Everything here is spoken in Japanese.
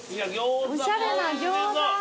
おしゃれな餃子。